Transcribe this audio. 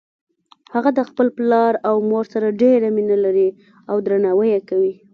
هغه د خپل پلار او مور سره ډیره مینه لری او درناوی یی کوي